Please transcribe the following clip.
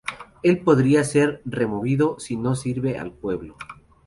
El podría se removido si no sirve al pueblo.